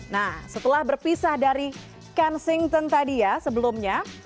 nah setelah berpisah dari kensington tadi ya sebelumnya